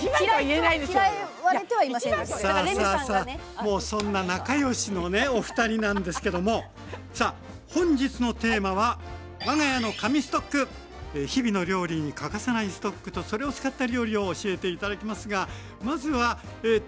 もうそんな仲良しのねおふたりなんですけどもさあ本日のテーマは日々の料理に欠かせないストックとそれを使った料理を教えて頂きますがまずはえと。